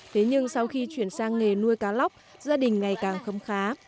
thế nhưng sau khi chuyển sang nghề nuôi cá lóc gia đình ngày càng khâm khá